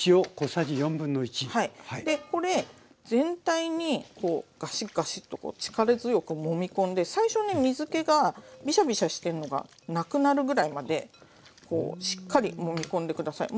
でこれ全体にガシッガシッとこう力強くもみ込んで最初ね水けがビシャビシャしてるのがなくなるぐらいまでしっかりもみ込んで下さい。